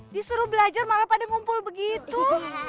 disuruh belajar malah pada ngumpul begitu